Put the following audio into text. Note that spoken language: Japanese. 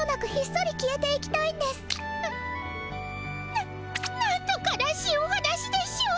ななんと悲しいお話でしょう。